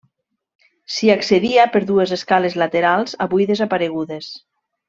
S'hi accedia per dues escales laterals avui desaparegudes.